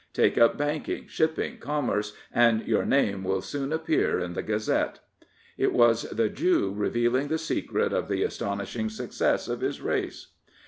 Take up banking, shipping, commerce, and your name will soon appear in the Gazette,*' It was the Jew revealing the secret of the astonishing success of his race.